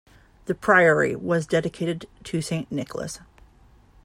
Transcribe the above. The priory was dedicated to Saint Nicholas.